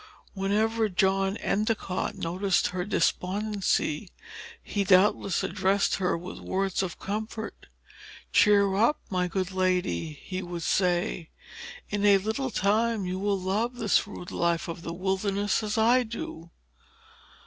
Whenever John Endicott noticed her despondency, he doubtless addressed her with words of comfort. "Cheer up, my good lady!" he would say. "In a little time, you will love this rude life of the wilderness as I do."